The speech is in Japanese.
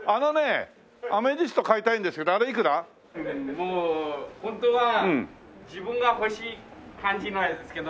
もう本当は自分が欲しい感じのやつですけど。